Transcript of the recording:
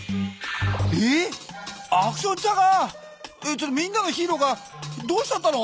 ちょっとみんなのヒーローがどうしちゃったの？